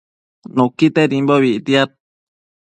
Nuquitedimbobi ictiad